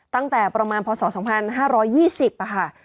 ตั้งแต่ประมาณพศ๒๕๒๐ค่ะ